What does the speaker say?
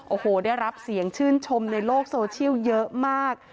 โอ้โหได้รับเสียงชื่นชมในโลกโซเชียลเยอะมาก